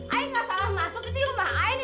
ayah nggak salah masuk di rumah ayah ini